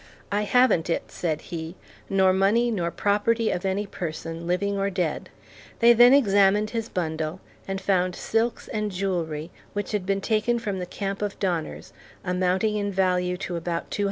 "I haven't it," said he, "nor money nor property of any person, living or dead." They then examined his bundle, and found silks and jewellery, which had been taken from the camp of Donners, amounting in value to about $200.